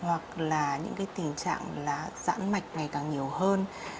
hoặc là những tình trạng giãn mạch ngày càng nhiều hơn